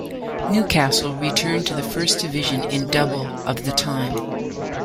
Newcastle returned to the First Division in double of the time.